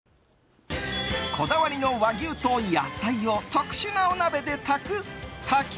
こだわりの和牛と野菜を特殊なお鍋で炊く炊き